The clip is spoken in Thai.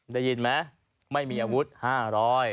ได้ยินไหมไม่มีอาวุธ๕๐๐